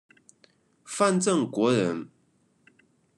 范正国人。